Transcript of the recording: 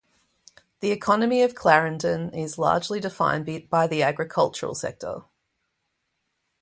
The economy of Clarendon is largely defined by the agricultural sector.